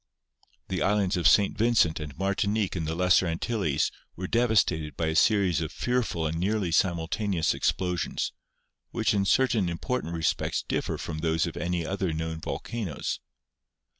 The islands of St. Vincent and Martinique in the Lesser Antilles were devastated by a series of fearful and nearly simultaneous eruptions, which in certain important respects differ from those of any other known volcanoes.